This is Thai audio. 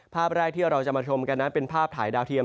ภาพแรกที่เราจะมาชมกันนั้นเป็นภาพถ่ายดาวเทียม